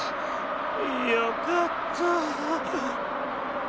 よかった。